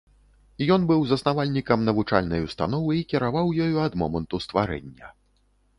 Ён быў заснавальнікам навучальнай установы і кіраваў ёю ад моманту стварэння.